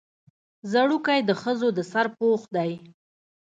ځړوکی د ښځو د سر پوښ دی